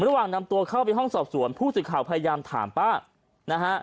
ระหว่างนำตัวเข้าไปห้องสอบสวนผู้สื่อข่าวพยายามถามป้านะฮะ